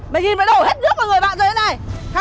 mày nhìn mày đổ hết nước vào người bạn rồi